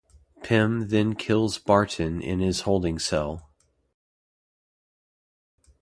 Pym then kills Barton in his holding cell.